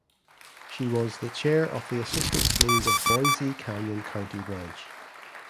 She was the chair of the Assistance League of Boise Canyon County Branch.